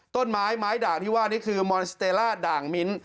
ต้นไม้ไม้ด่างที่ว่านี่คือมอนสเตรล่าด่างมิ้น